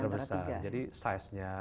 terbesar jadi size nya